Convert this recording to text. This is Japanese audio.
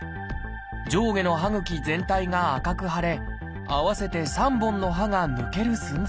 上下の歯ぐき全体が赤く腫れ合わせて３本の歯が抜ける寸前でした。